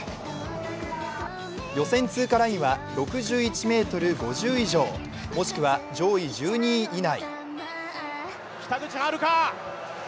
予選通過ラインは６１ｍ５０以上、もしくは上位１２位以内。